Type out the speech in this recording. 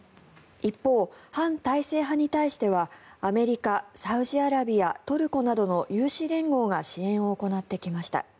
一方、反体制派に対してはアメリカ、サウジアラビアトルコなどの有志連合が支援を行ってきました。